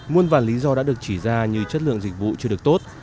muôn vàn lý do đã được chỉ ra như chất lượng dịch vụ chưa được tốt